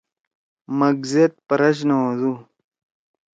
مگ سیت پرچ نہ ہودُو۔